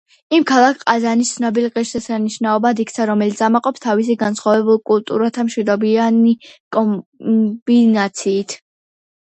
ის ქალაქ ყაზანის ცნობილ ღირშესანიშნაობად იქცა, რომელიც ამაყობს თავისი, განსხვავებულ კულტურათა, მშვიდობიანი კომბინაციით.